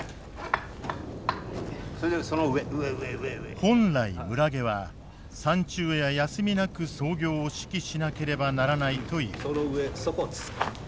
本来村下は三昼夜休みなく操業を指揮しなければならないという。